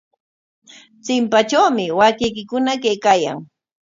Chimpatrawmi waakaykikuna kaykaayan.